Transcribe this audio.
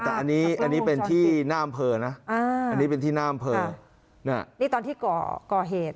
แต่อันนี้เป็นที่น่ามเผลอนะนี่ตอนที่ก่อเหตุ